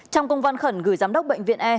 trong công văn khẩn gửi giám đốc bệnh viện e